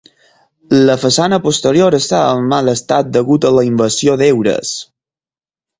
La façana posterior està en mal estat degut a la invasió d'heures.